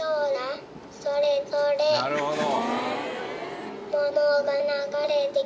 なるほど。